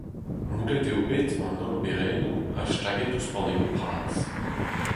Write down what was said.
Moullet eo bet an holl oberennoù ha staget ouzh panelloù bras.